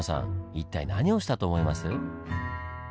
一体何をしたと思います？